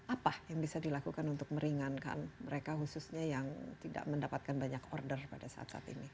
apa yang bisa dilakukan untuk meringankan mereka khususnya yang tidak mendapatkan banyak order pada saat saat ini